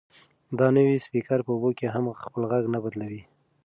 دا نوی سپیکر په اوبو کې هم خپل غږ نه بدلوي.